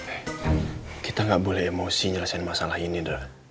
eh kita nggak boleh emosi nyelesain masalah ini dara